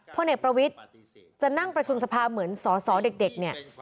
พ่อเหน็กประวิทย์จะนั่งประชุมสภาพเหมือนสอสอเด็กนี่